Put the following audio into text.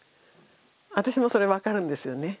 私もそれ分かるんですよね。